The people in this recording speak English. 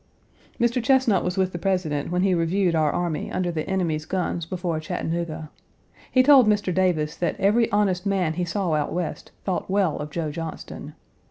Mr. Chesnut was with the President when he reviewed our army under the enemy's guns before Chattanooga. He told Mr. Davis that every honest man he saw out West thought well of Joe Johnston.